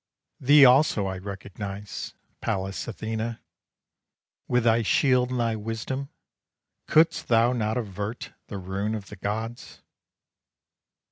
Thee also I recognize, Pallas Athena! With thy shield and thy wisdom, could'st thou not avert The ruin of the gods?